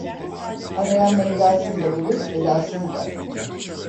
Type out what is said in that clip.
Arayan Mevlasını da bulur, belasını da.